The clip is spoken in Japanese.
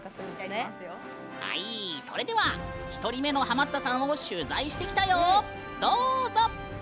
それでは１人目のハマったさんを取材してきたよ。